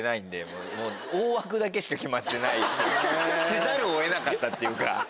せざるを得えなかったというか。